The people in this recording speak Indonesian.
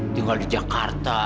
tinggal di jakarta